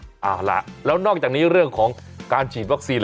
เอาล่ะแล้วนอกจากนี้เรื่องของการฉีดวัคซีน